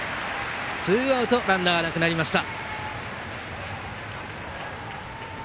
ツーアウトランナーなくなりました。